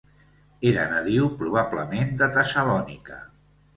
Era nadiu probablement de Tessalònica.